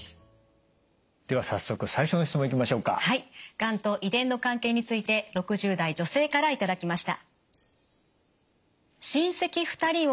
がんと遺伝の関係について６０代女性から頂きました。